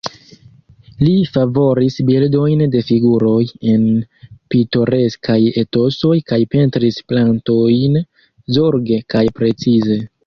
Li favoris bildojn de figuroj en pitoreskaj etosoj kaj pentris plantojn zorge kaj precize.